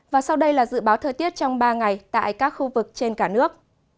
và sau đây là dự báo thời tiết trong ba ngày tại các khu vực trên cả nước